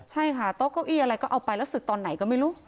ใช่ค่ะโต๊ะเก้าอี้อะไรก็เอาไปแล้วศึกตอนไหนก็ไม่รู้